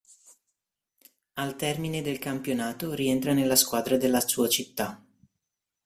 Al termine del campionato rientra nella squadra della sua città.